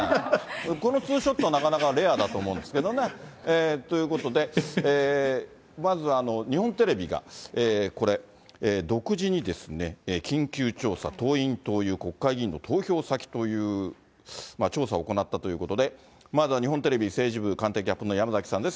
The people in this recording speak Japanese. このツーショットはなかなかレアだと思うんですけどね。ということで、まず日本テレビがこれ、独自に緊急調査、党員・党友、国会議員の投票先という調査を行ったということで、まずは日本テレビ政治部官邸キャップの山崎さんです。